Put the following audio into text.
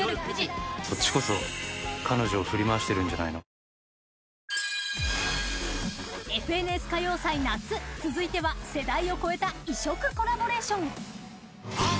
おいしい免疫ケア「ＦＮＳ歌謡祭夏」続いては世代を超えた異色コラボレーション。